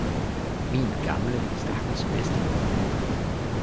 Min gamle stakkels bedstemoder!